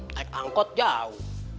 naik angkot jauh